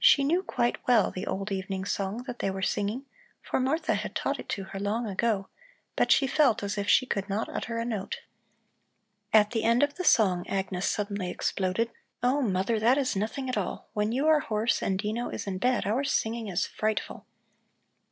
She knew quite well the old evening song that they were singing, for Martha had taught it to her long ago, but she felt as if she could not utter a note. At the end of the song Agnes suddenly exploded: "Oh, mother, that is nothing at all. When you are hoarse and Dino is in bed, our singing is frightful.